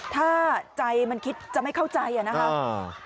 ถ้าใจมันคิดจะไม่เข้าใจนะครับ